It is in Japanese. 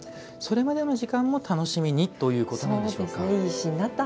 それまでの時間も楽しみにということでしょうか。